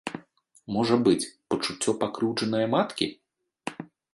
Можа быць, пачуццё пакрыўджанае маткі?